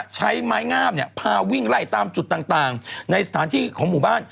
ใช้ไม้งามพาวิ่งไล่ตามจุดต่างในสถานที่ของหมู่บ้าน